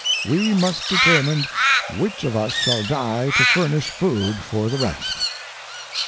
We must determine which of us shall die to furnish food for the rest!'